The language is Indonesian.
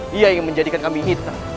dia yang menjadikan kami hitam